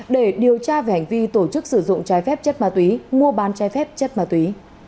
để điều tra về hành vi tổ chức sử dụng trái phép chất ma túy mua bán trái phép chất ma túy